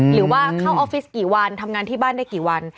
หรือว่าเข้าออฟฟิศกี่วันทำงานที่บ้านได้กี่วัน